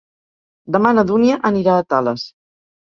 Demà na Dúnia anirà a Tales.